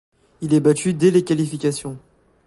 Il est battu dés les qualifications.